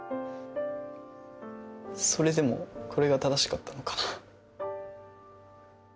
それでもこれが正しかったのかな？